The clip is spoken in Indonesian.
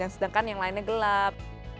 sedangkan yang lainnya gelap